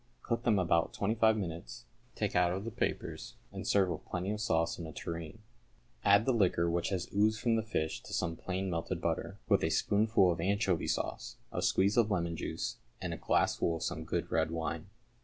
Cook them about twenty five minutes, take out of the papers, and serve with plenty of sauce in a tureen. Add the liquor which has oozed from the fish to some plain melted butter, with a spoonful of anchovy sauce, a squeeze of lemon juice, and a glassful of some good red wine.